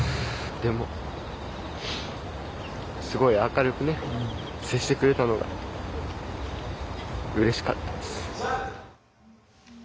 でもすごい明るくね接してくれたのがうれしかったです。